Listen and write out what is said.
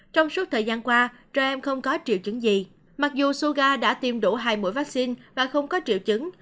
trong suốt thời gian qua trẻ em không có triệu chứng gì mặc dù suga đã tiêm đủ hai mũi vaccine và không có triệu chứng